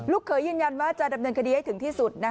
เขยยืนยันว่าจะดำเนินคดีให้ถึงที่สุด